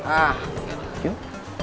ah terima kasih